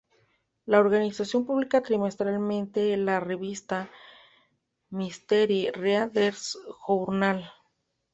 La organización publica trimestralmente la revista "Mystery Readers Journal".